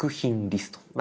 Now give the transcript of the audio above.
リストま